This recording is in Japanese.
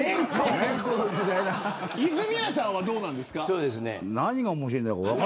泉谷さんはどうですか。